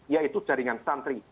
yaitu jaringan santri